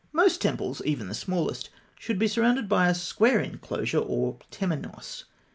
] Most temples, even the smallest, should be surrounded by a square enclosure or temenos.